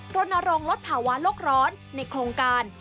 รณรงค์ลดภาวะโลกร้อนในโครงการ